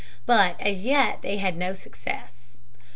But as yet they had had no success.